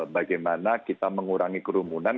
bagaimana kita mengurangi kerumunan